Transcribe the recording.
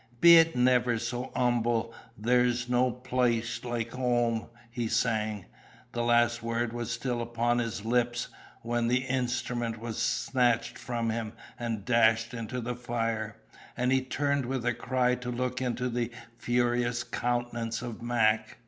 "Be it never so 'umble, there's no plyce like 'ome," he sang. The last word was still upon his lips, when the instrument was snatched from him and dashed into the fire; and he turned with a cry to look into the furious countenance of Mac.